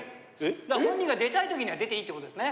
本人が出たい時には出ていいってことですね。